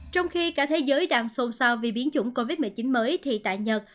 trong khi cả thế giới đang xôn xao vì biến chủng covid một mươi chín mới thì tại nhật